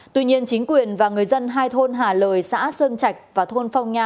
tuy nhiên chính quyền và người dân hai thôn hà lời xã sơn trạch và thôn phong nha